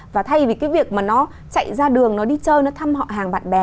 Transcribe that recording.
và thay vì cái việc mà nó chạy ra đường nó đi chơi nó thăm họ hàng bạn bè